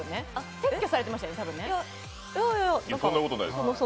撤去されてましたよね、多分ね。